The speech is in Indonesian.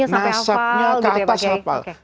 nasabnya sampai hafal